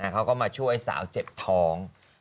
เขาก็มาช่วยสาวเจ็บท้อง